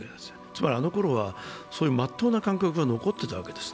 つまりあのころは、そういう真っ当な感覚が残っていたわけです。